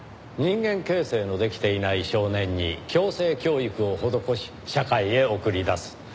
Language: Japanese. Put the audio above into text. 人間形成のできていない少年に矯正教育を施し社会へ送り出す。